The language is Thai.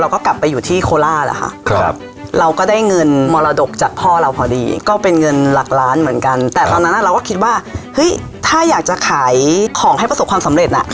เริ่มธุรกิจแรกคืออะไรครับผม